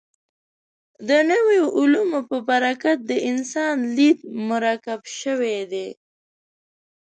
د نویو علومو په برکت د انسان لید مرکب شوی دی.